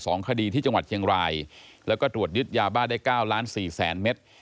คดีที่จังหวัดเชียงรายแล้วก็ตรวจยึดยาบ้าได้เก้าล้านสี่แสนเมตร